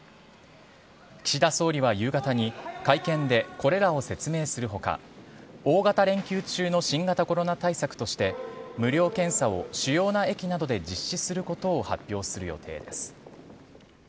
岸田総理は夕方に、会見でこれらを説明するほか、大型連休中の新型コロナ対策として、無料検査を主要な駅などで実施することを発表する予定です。